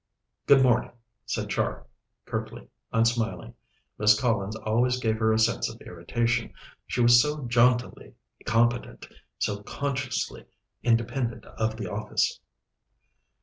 "Good morning," said Char curtly, unsmiling. Miss Collins always gave her a sense of irritation. She was so jauntily competent, so consciously independent of the office.